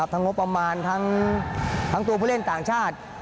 ทั้งงบประมาณทั้งตัวผู้เล่นต่างชาติ